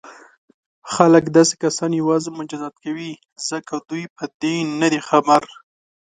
خلک داسې کسان یوازې مجازات کوي ځکه دوی په دې نه دي خبر.